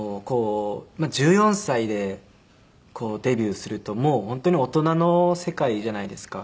１４歳でデビューするともう本当に大人の世界じゃないですか。